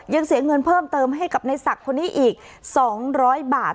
ยังเสียเงินเพิ่มเติมให้กับในศักดิ์คนนี้อีก๒๐๐บาท